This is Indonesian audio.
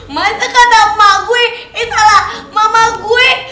masa kata mama gue eh salah mama gue